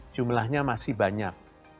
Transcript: jumlahnya masih banyak